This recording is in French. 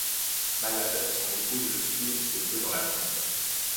Malade, son épouse le suit de peu dans la tombe.